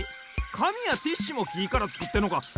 かみやティッシュもきからつくってんのか！